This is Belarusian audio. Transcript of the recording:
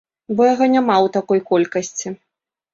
Бо яго няма ў такой колькасці.